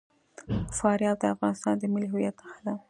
فاریاب د افغانستان د ملي هویت نښه ده.